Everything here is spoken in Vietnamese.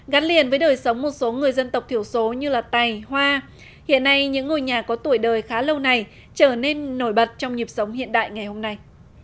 gắn liền với đời sống một số người dân tộc thiểu số như tày hoa hiện nay những ngôi nhà có tuổi đời khá lâu này trở nên nổi bật trong nhịp sống hiện đại ngày hôm nay